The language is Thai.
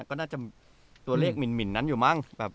ก็น่าจะตัวเลขหมินนั้นอยู่มั้ง